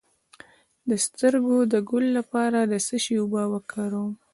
د سترګو د ګل لپاره د څه شي اوبه وکاروم؟